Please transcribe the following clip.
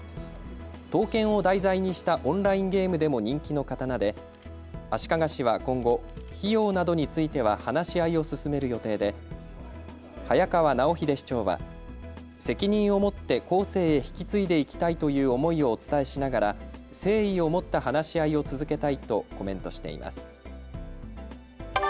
刀剣を題材にしたオンラインゲームでも人気の刀で足利市は今後、費用などについては話し合いを進める予定で早川尚秀市長は責任を持って後世へ引き継いでいきたいという思いをお伝えしながら誠意をもって話し合いを続けたいとコメントしています。